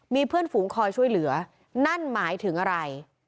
มีเพื่อนฝูงคอยช่วยเหลือนั่นหมายถึงอะไร